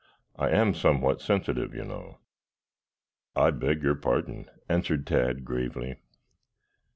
I am somewhat sensitive, you know." "I beg your pardon," answered Tad gravely.